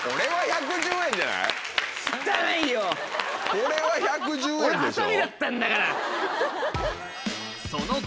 これは１１０円でしょ。